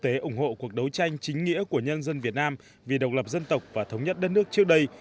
chủ tịch cuba fidel castro đã ủng hộ cuộc đấu tranh chính nghĩa của nhân dân việt nam vì độc lập dân tộc và thống nhất đất nước trước đây